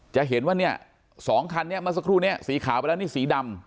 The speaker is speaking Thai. จะเห็นว่าเนี่ย๒คันนี้เมื่อสักครู่นี้สีขาวไปแล้วนี่สีดำ